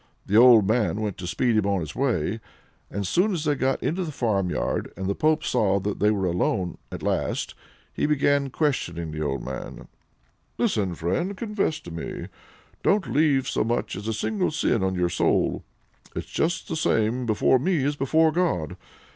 The old man went to speed him on his way. As soon as they got into the farmyard, and the pope saw they were alone at last, he began questioning the old man: "Listen, friend! confess to me, don't leave so much as a single sin on your soul it's just the same before me as before God!